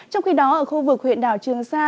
trong khi đó ở khu vực huyện đảo trường sa